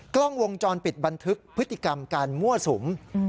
กล้องวงจรปิดบันทึกพฤติกรรมการมั่วสุม